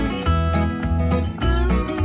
กินข้าวขอบคุณครับ